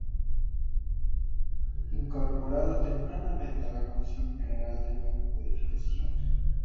Incorporado tempranamente a la Comisión General de Codificación.